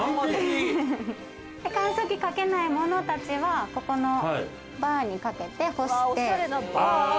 乾燥機かけないものたちは、ここのバーにかけて干して。